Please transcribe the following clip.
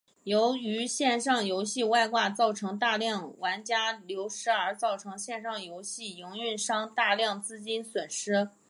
由于线上游戏外挂造成大量玩家流失而造成线上游戏营运商大量资金损失。